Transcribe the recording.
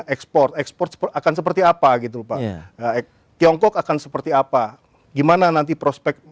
ekspor ekspor akan seperti apa gitu pak tiongkok akan seperti apa gimana nanti prospek